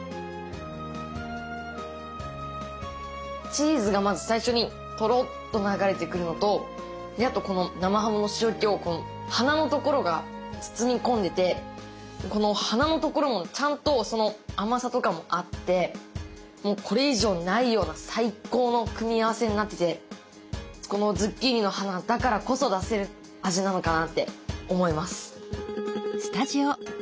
チーズがまず最初にトロッと流れてくるのとあとこの生ハムの塩けを花のところが包み込んでてこの花のところもちゃんと甘さとかもあってこれ以上ないような最高の組み合わせになっててこのズッキーニの花だからこそ出せる味なのかなって思います。